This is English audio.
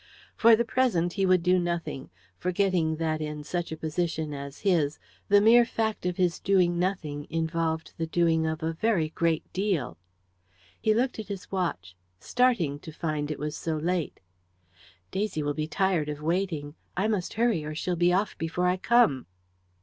For the present he would do nothing, forgetting that, in such a position as his, the mere fact of his doing nothing involved the doing of a very great deal. He looked at his watch, starting to find it was so late. "Daisy will be tired of waiting. I must hurry, or she'll be off before I come."